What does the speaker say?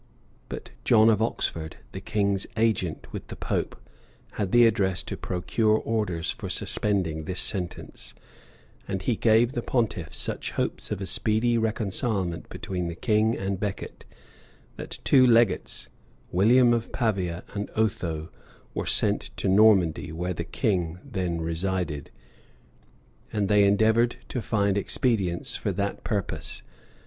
But John of Oxford, the king's agent with the pope, had the address to procure orders for suspending this sentence; and he gave the pontiff such hopes of a speedy reconcilement between the king and Becket, that two legates, William of Pavia and Otho, were sent to Normandy, where the king then resided, and they endeavored to find expedients for that purpose.